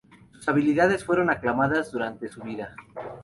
Su habilidades fueron aclamadas durante su vida.